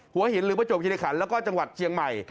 หัวหินหรือประจวบคิริขันแล้วก็จังหวัดเชียงใหม่